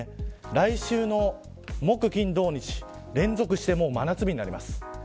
来週の木、金、土、日連続して真夏日になります。